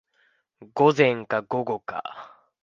午前か午後か